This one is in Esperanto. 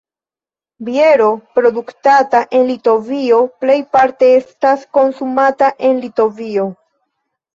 Biero produktata en Litovio plejparte estas konsumata en Litovio.